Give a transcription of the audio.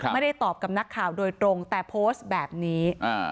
ไม่ได้ตอบกับนักข่าวโดยตรงแต่โพสต์แบบนี้